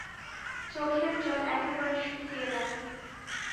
চোখের জল একেবারে শুকিয়ে গেল।